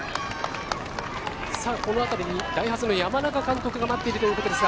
この辺りにダイハツの山中監督が待っているということですが。